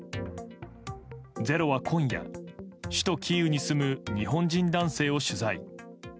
「ｚｅｒｏ」は今夜首都キーウに住む日本人男性を取材。